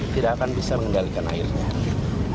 tidak akan bisa mengendalikan airnya